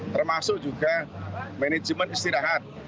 termasuk juga manajemen istirahat